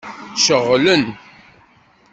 Ceɣlen?